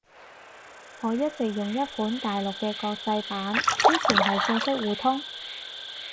我一直用一款大陸嘅國際版。之前係信息互通